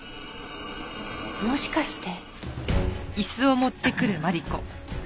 もしかして。